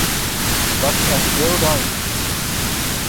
Dat is echt heel duidelijk!